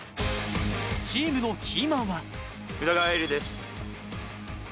チームのキーマンは。